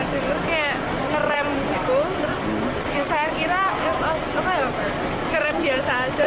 dengar kayak kerem gitu terus saya kira kerem biasa aja